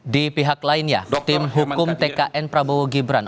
di pihak lainnya tim hukum tkn prabowo gibran